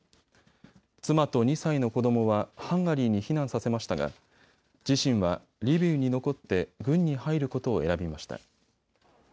妻と２歳の子どもはハンガリーに避難させましたが自身はリビウに残って軍に入ることを選びました。